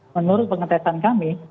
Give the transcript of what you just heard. menurut pengetesan kami